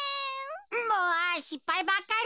もうしっぱいばっかり。